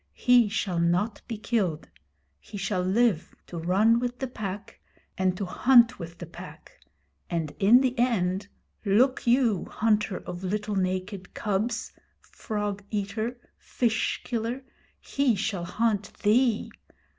He shall not be killed. He shall live to run with the Pack and to hunt with the Pack; and in the end, look you, hunter of little naked cubs frog eater fish killer he shall hunt thee!